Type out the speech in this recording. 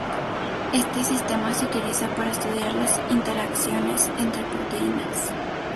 Este sistema se utiliza para estudiar las interacciones entre proteínas.